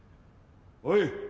おい！